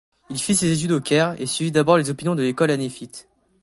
Il fit ses études au Caire, et suivit d'abord les opinions de l'école hanéfite.